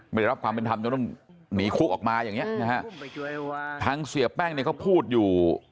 ไม่ได้รับความเป็นธรรมจนต้องหนีคุกออกมาอย่างเงี้นะฮะทางเสียแป้งเนี่ยเขาพูดอยู่